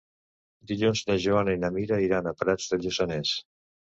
Dilluns na Joana i na Mira iran a Prats de Lluçanès.